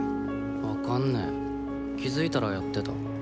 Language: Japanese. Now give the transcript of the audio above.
分かんね気付いたらやってた。